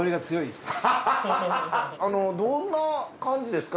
どんな感じですか？